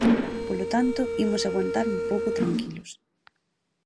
Polo tanto, imos aguantar un pouco Tranquilos.